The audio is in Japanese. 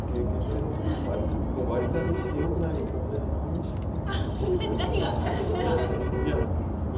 でも割り勘にして良くないこともありましたよね。